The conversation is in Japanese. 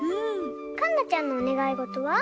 かんなちゃんのおねがいごとは？